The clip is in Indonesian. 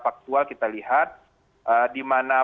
awal kita lihat dimana